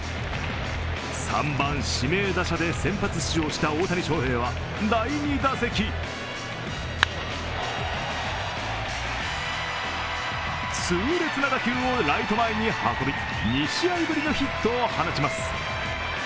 ３番・指名打者で先発出場した大谷翔平は第２打席痛烈な打球をライト前に運び、２試合ぶりのヒットを放ちます。